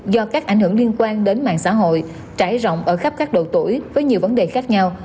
do các ảnh hưởng liên quan đến mạng xã hội trải rộng ở khắp các độ tuổi với nhiều vấn đề khác nhau